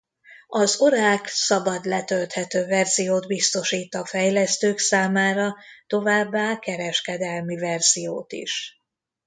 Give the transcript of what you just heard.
Az Oracle szabad letölthető verziót biztosít a fejlesztők számára továbbá kereskedelmi verziót is.